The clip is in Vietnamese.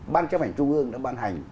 ban chấp hành trung ương đã ban hành